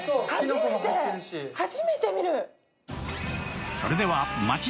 初めて見る。